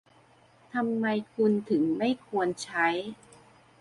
ทำไมคุณถึงไม่ควรใช้